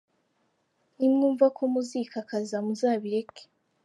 Nimwumva ko muzikakaza muzabireke.